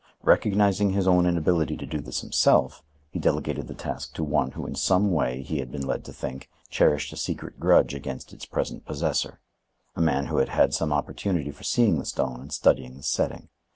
Recognizing his own inability to do this himself, he delegated the task to one who in some way, he had been led to think, cherished a secret grudge against its present possessor—a man who had had some opportunity for seeing the stone and studying the setting.